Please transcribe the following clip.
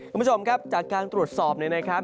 คุณผู้ชมครับจากการตรวจสอบเนี่ยนะครับ